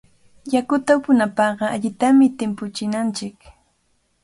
Yakuta upunapaqqa allitami timpuchinanchik.